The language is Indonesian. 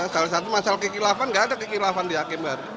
salah satu masalah kekilapan enggak ada kekilapan di hakim baru